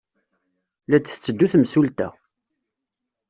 La d-tetteddu temsulta!